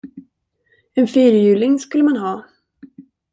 En fyrhjuling skulle man ha!